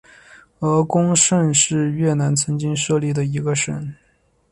鹅贡省是越南曾经设立的一个省。